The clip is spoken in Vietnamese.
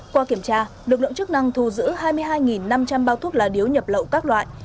qua kiểm tra lực lượng chức năng thu giữ hai mươi hai năm trăm linh bao thuốc lá điếu nhập lậu các loại